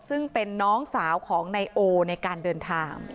ซึ่งเป็นน้องสาวของนายโอในการเดินทาง